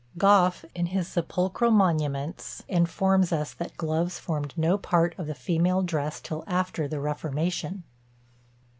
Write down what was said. Gough, in his "Sepulchral Monuments," informs us that gloves formed no part of the female dress till after the Reformation.